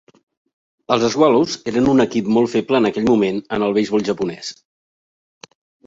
Els Swallows eren un equip molt feble en aquell moment en el beisbol japonès.